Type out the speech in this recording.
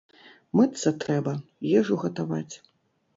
Мыцца трэба, ежу гатаваць.